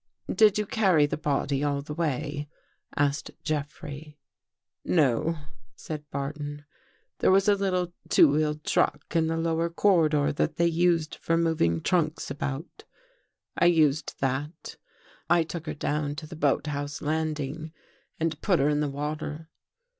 "Did you carry the body all the way?" asked Jeffrey. " No," said Barton. " There was a little two wheeled truck in the lower corridor that they used for moving trunks about. I used that. I took her down to the boathouse landing and put her in the water.